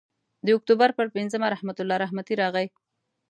د اکتوبر پر پینځمه رحمت الله رحمتي راغی.